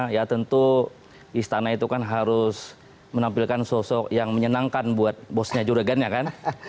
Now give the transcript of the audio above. ya tentu istana itu kan harus menampilkan sosok yang menyenangkan buat bosnya juragannya kan